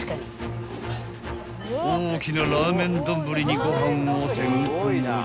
［大きなラーメン丼にご飯をてんこ盛り］